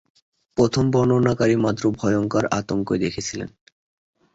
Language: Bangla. প্রথমে বর্ণনাকারী মাত্র ভয়ঙ্কর আতঙ্কই দেখেছিলেন।